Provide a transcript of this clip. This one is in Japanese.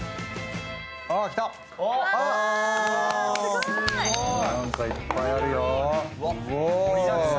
来た、なんかいっぱいあるよ。